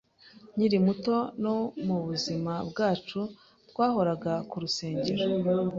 nkiri muto nuko mu buzima bwacu twahoraga ku rusengero